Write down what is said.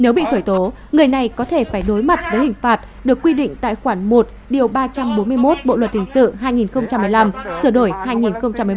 nếu bị khởi tố người này có thể phải đối mặt với hình phạt được quy định tại khoản một điều ba trăm bốn mươi một bộ luật hình sự hai nghìn một mươi năm sửa đổi hai nghìn một mươi bảy